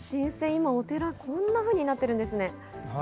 今、お寺、こんなふうになってるんですね。